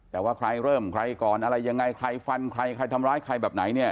แต่ว่าใครเริ่มใครก่อนอะไรยังไงใครฟันใครใครทำร้ายใครแบบไหนเนี่ย